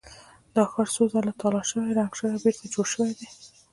دا ښار څو څو ځله تالا شوی، ړنګ شوی او بېرته جوړ شوی دی.